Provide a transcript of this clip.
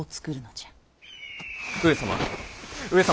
上様！